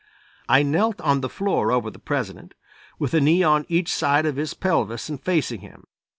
I knelt on the floor over the President, with a knee on each side of his pelvis and facing him.